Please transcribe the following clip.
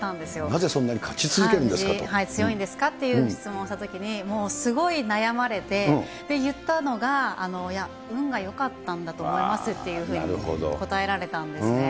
なぜそんなに勝ち続けるんで強いんですかという質問をしたときに、もうすごい悩まれて、言ったのが、いや、運がよかったんだと思いますというふうに答えられたんですね。